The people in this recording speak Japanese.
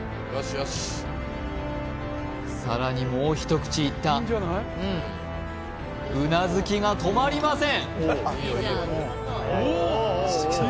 さらにもう一口いったうなずきが止まりません